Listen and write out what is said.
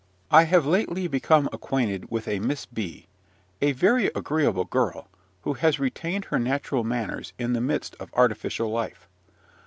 I have lately become acquainted with a Miss B , a very agreeable girl, who has retained her natural manners in the midst of artificial life.